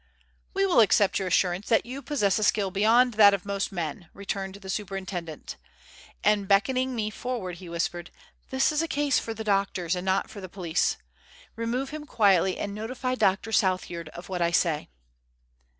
"We will accept your assurance that you possess a skill beyond that of most men," returned the Superintendent. And beckoning me forward, he whispered: "This is a case for the doctors and not for the police. Remove him quietly, and notify Dr. Southyard of what I say."